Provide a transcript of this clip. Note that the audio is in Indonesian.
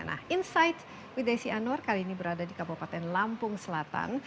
nah insight with desi anwar kali ini berada di kabupaten lampung selatan